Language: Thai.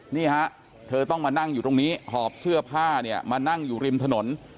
นี่ฮะเธอต้องมานั่งอยู่ตรงนี้หอบเสื้อผ้าเนี่ยมานั่งอยู่ริมถนน